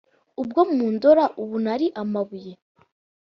ubwo mundora ubu nari amabuye